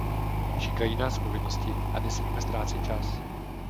Čekají nás povinnosti a nesmíme ztrácet čas.